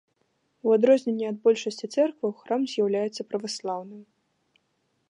У адрозненне ад большасці цэркваў, храм з'яўляецца праваслаўным.